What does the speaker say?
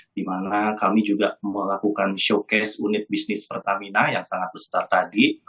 di mana kami juga melakukan showcase unit bisnis pertamina yang sangat besar tadi